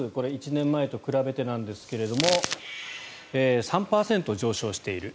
１年前と比べてなんですが３％上昇している。